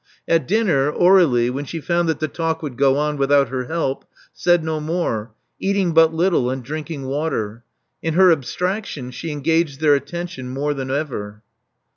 At dinner, Aur^lie, when she found that the talk would go on without her help, said no more, eating but little, and drinking water. In her abstraction, she engaged their attention more than ever.